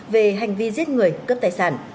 về hành vi giết người cướp tài sản